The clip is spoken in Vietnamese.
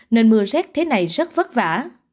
nên mưa rét thế này rất vất vả